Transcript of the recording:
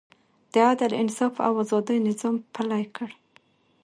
د عدل، انصاف او ازادۍ نظام پلی کړ.